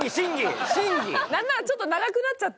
何ならちょっと長くなっちゃってて。